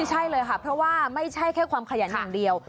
ใช่เลยค่ะเพราะว่าไม่ใช่แค่ความขยันอย่างเดียว